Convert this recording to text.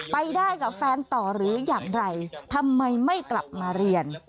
ไปได้กับแฟนต่อหรืออย่างไรทำไมไม่กลับมาเรียน